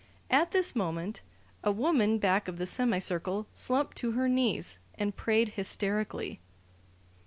At this moment a woman back of the semicircle slumped to her knees and prayed hysterically.